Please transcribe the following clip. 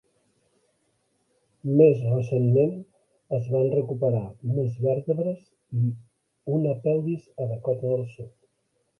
Més recentment, es van recuperar més vèrtebres i una pelvis a Dakota del Sud.